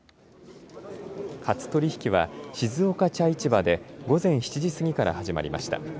初取り引きは静岡茶市場で午前７時過ぎから始まりました。